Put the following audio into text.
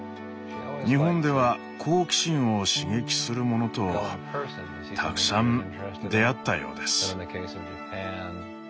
日本では好奇心を刺激するものとたくさん出会ったようです。